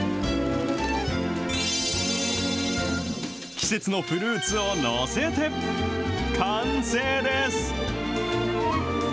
季節のフルーツを載せて、完成です。